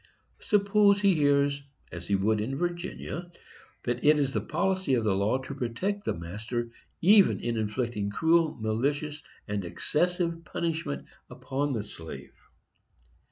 Suppose he hears, as he would in Virginia, that it is the policy of the law to protect the master even in inflicting cruel, malicious and excessive punishment upon the slave.